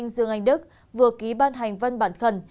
dương anh đức vừa ký ban hành văn bản khẩn